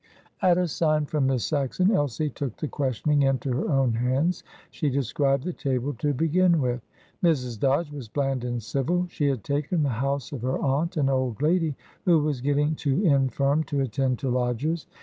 At a sign from Miss Saxon, Elsie took the questioning into her own hands. She described the table to begin with. Mrs. Dodge was bland and civil. She had taken the house of her aunt, an old lady who was getting too infirm to attend to lodgers.